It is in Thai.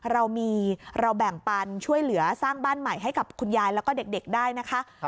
เรามีเราแบ่งปันช่วยเหลือสร้างบ้านใหม่ให้กับคุณยายแล้วก็เด็กได้นะคะ